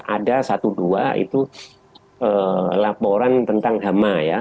ada satu dua itu laporan tentang hama ya